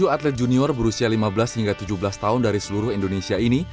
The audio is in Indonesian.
tujuh atlet junior berusia lima belas hingga tujuh belas tahun dari seluruh indonesia ini